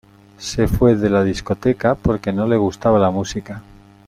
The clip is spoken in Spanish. Se fue de la discoteca porque no le gustaba la música.